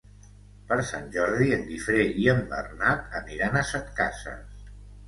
Per Sant Jordi en Guifré i en Bernat aniran a Setcases.